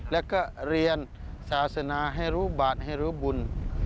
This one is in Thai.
แล้วก็เรียนศาสนาให้รู้บาทให้รู้บุญ